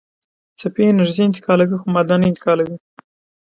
څپې انرژي انتقالوي خو ماده نه انتقالوي.